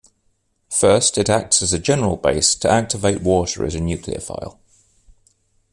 First it acts as a general base to activate water as a nucleophile.